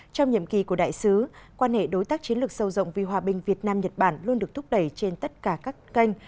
trong nhiệm kỳ của đại sứ quan hệ đối tác chiến lược sâu rộng vì hòa bình việt nam nhật bản luôn được thúc đẩy trên tất cả các kênh